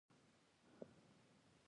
دریشي که ساده وي، وقار لري.